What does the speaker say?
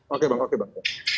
oke bang oke bang